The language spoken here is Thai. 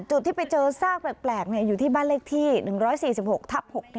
ที่ไปเจอซากแปลกอยู่ที่บ้านเลขที่๑๔๖ทับ๖๑